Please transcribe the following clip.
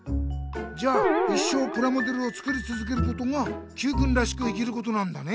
じゃあ一生プラモデルを作りつづけることがＱくんらしく生きることなんだね！